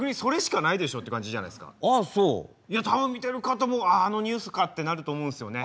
いや多分見てる方もあのニュースかってなると思うんですよね。